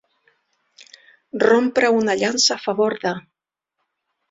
Rompre una llança a favor de.